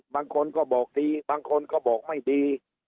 บางคนก็บอกดีบางคนก็บอกไม่ดี